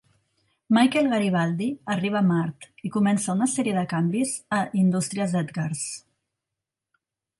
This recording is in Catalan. Michael Garibaldi arriba a Mart, i comença una sèrie de canvis a Indústries Edgars.